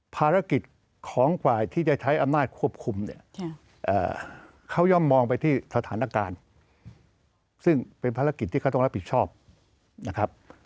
ภารกิจของฝ่ายที่จะใช้อำนาจควบคุมเนี่ยเขาย่อมมองไปที่สถานการณ์ซึ่งเป็นภารกิจที่เขาต้องรับผิดชอบนะครับ